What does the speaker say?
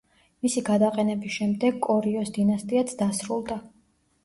მისი გადაყენების შემდეგ კორიოს დინასტიაც დასრულდა.